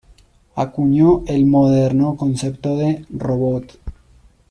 Acuñó el moderno concepto de "robot".